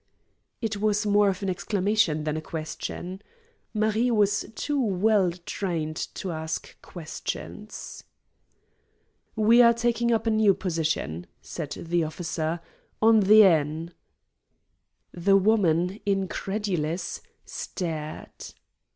It was more of an exclamation than a question. Marie was too well trained to ask questions. "We are taking up a new position," said the officer, "on the Aisne." The woman, incredulous, stared.